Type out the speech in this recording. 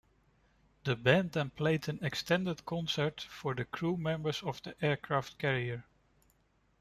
The band then played an extended concert for crew members of the aircraft carrier.